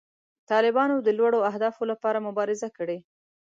طالبانو د لوړو اهدافو لپاره مبارزه کړې.